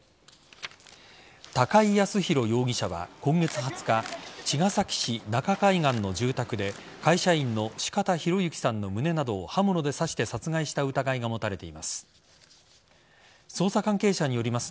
高井靖弘容疑者は今月２０日茅ヶ崎市中海岸の住宅で会社員の四方洋行さんの胸などを刃物で刺して殺害した疑いが持たれています。